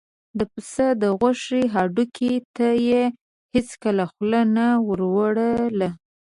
د پس د غوښې هډوکي ته یې هېڅکله خوله نه وروړله.